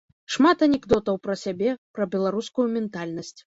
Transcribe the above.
Шмат анекдотаў пра сябе, пра беларускую ментальнасць.